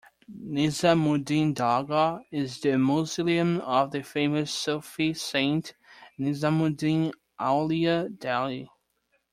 Nizamuddin Dargah is the Mausoleum of the famous Sufi Saint Nizamuddin Auliya, Delhi.